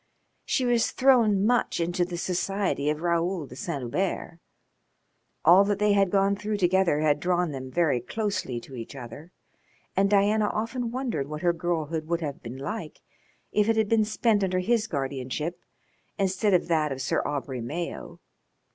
She was thrown much into the society of Raoul de Saint Hubert. All that they had gone through together had drawn them very closely to each other, and Diana often wondered what her girlhood would have been like if it had been spent under his guardianship instead of that of Sir Aubrey Mayo.